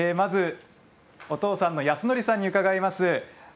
お父さんの泰則さんに伺います。